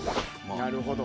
なるほど。